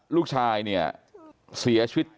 ลูกชายเนี่ยเสียชีวิต